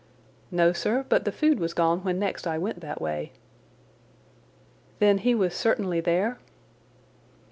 "No, sir, but the food was gone when next I went that way." "Then he was certainly there?"